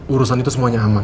urusan itu semuanya aman